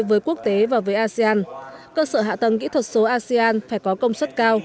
với quốc tế và với asean cơ sở hạ tầng kỹ thuật số asean phải có công suất cao